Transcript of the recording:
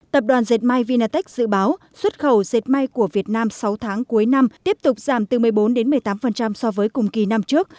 tập đoàn dệt may vinatech dự báo xuất khẩu dệt may của việt nam sáu tháng cuối năm tiếp tục giảm từ một mươi bốn một mươi tám so với cùng kỳ năm trước